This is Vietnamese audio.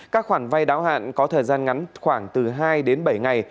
các khoản vay đáo hạn có thời gian ngắn khoảng từ hai đến bảy ngày